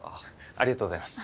ありがとうございます。